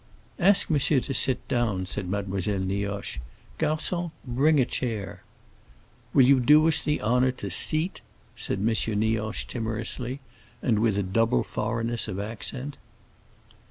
"Ask monsieur to sit down," said Mademoiselle Nioche. "Garçon, bring a chair." "Will you do us the honor to seat?" said M. Nioche, timorously, and with a double foreignness of accent.